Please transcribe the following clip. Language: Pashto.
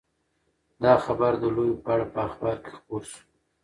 دا خبر د لوبې په اړه په اخبار کې خپور شو.